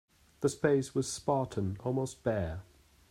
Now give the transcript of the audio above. The space was spartan, almost bare.